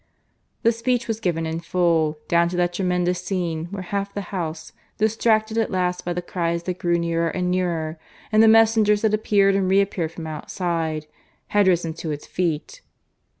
The speech was given in full, down to that tremendous scene when half the House, distracted at last by the cries that grew nearer and nearer, and the messengers that appeared and reappeared from outside, had risen to its feet.